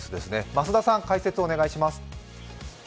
増田さん解説お願いします。